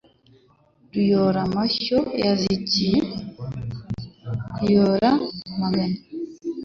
Ruyoramashyo yanzikiye kuyora amagana.